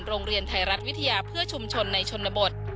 โรงเรียนไทยรัฐวิทยาเพื่อชุมชนในชนบท